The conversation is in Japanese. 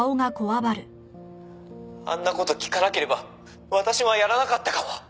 「あんな事聞かなければ私はやらなかったかも」